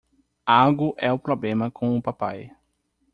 Algo é o problema com o papai.